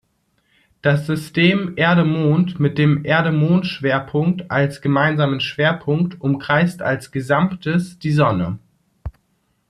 Das System Erde-Mond mit dem Erde-Mond-Schwerpunkt als gemeinsamem Schwerpunkt umkreist als Gesamtes die Sonne.